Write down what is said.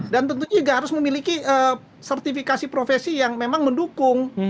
dan tentu juga harus memiliki sertifikasi profesi yang memang mendukung